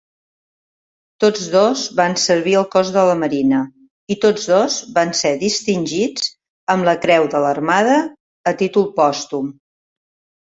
Tots dos van servir al Cos de la Marina, i tots dos van ser distingits amb la Creu de l'Armada, a títol pòstum.